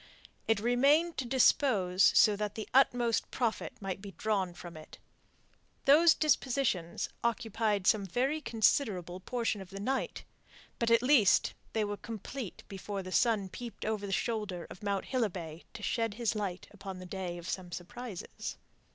It remained to dispose so that the utmost profit might be drawn from it. Those dispositions occupied some very considerable portion of the night. But, at least, they were complete before the sun peeped over the shoulder of Mount Hilibay to shed his light upon a day of some surprises.